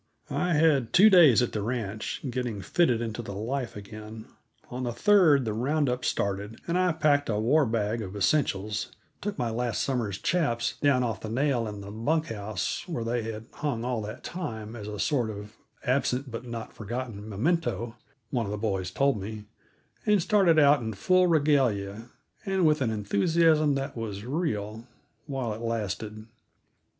I had two days at the ranch, getting fitted into the life again; on the third the round up started, and I packed a "war bag" of essentials, took my last summer's chaps down off the nail in the bunk house where they had hung all that time as a sort of absent but not forgotten memento, one of the boys told me, and started out in full regalia and with an enthusiasm that was real while it lasted.